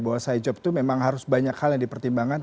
bahwa side job itu memang harus banyak hal yang dipertimbangkan